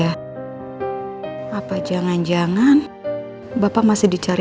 harusnya sih bapak udah sampai